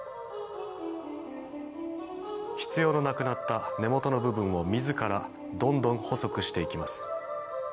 必要のなくなった根元の部分を自らどんどん細くしていきます。